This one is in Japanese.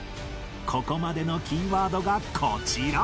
ここまでのキーワードがこちら